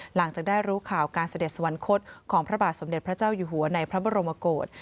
หลังจากได้รู้ข่าวการเสด็จสวรรคตของพระบาทสมเด็จพระเจ้าอยู่หัวในพระบรมโกศ